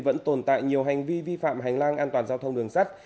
vẫn tồn tại nhiều hành vi vi phạm hành lang an toàn giao thông đường sắt